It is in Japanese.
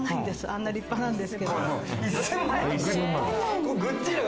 あんなに立派なんですけど。